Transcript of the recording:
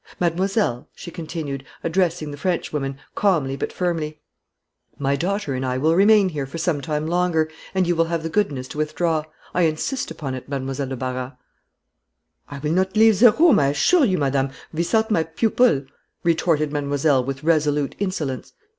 Mademoiselle," she continued, addressing the Frenchwoman, calmly but firmly, "my daughter will remain here for some time longer, and you will have the goodness to withdraw. I insist upon it, Mademoiselle de Barras." "I will not leave the room, I assure you, madame, without my pupil," retorted mademoiselle, with resolute insolence.